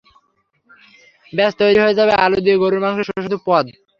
ব্যাস তৈরি হয়ে যাবে আলু দিয়ে গরুর মাংসের সুস্বাদু পদ।